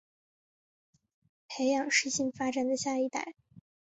培养适性发展的下一代